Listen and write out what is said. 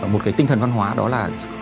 một cái tinh thần văn hóa đó là